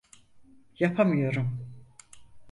Yapamıyorum.